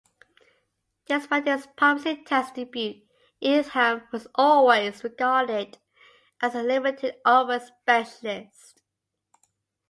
Despite his promising Test debut, Ealham was always regarded as a limited-overs specialist.